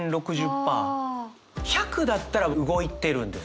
１００だったら動いてるんですよね。